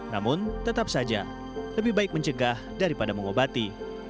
namun tetap saja lebih baik mencegah daripada mengobati